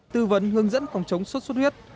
tư vấn hướng dẫn phòng chống xuất xuất huyết